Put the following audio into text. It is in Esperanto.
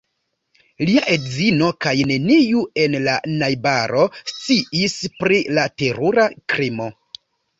Lia edzino kaj neniu en la najbaro sciis pri la terura krimo.